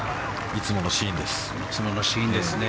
いつものシーンですね。